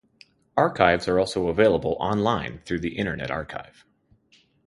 Archives are also available online through the Internet Archive.